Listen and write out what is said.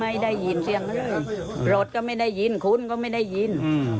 ไม่ได้ยินเสียงรถก็ไม่ได้ยินคุณก็ไม่ได้ยินอืม